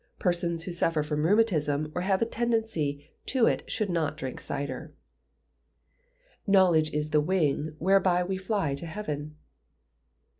Persons who suffer from rheumatism, or have a tendency to it should not drink cider. [KNOWLEDGE IS THE WING WHEREBY WE FLY TO HEAVEN.